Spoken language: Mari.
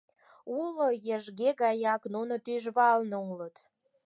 Уло ешге гаяк нуно тӱжвалне улыт.